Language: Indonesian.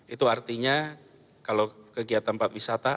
itu artinya kalau kegiatan tempat wisata